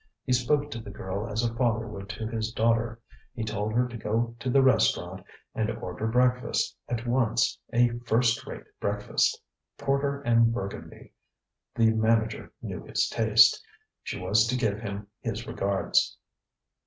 He spoke to the girl as a father would to his daughter. He told her to go to the restaurant and order breakfast, at once, a first rate breakfast. Porter and Burgundy! The manager knew his taste. She was to give him his regards.